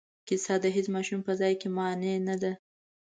کیسه د هیڅ ماشوم په ځای کې مانع نه دی.